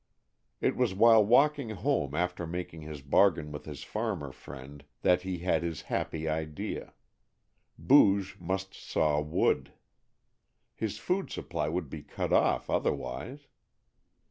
It was while walking home after making his bargain with his farmer friend that he had his happy idea Booge must saw wood! His food supply would be cut off otherwise!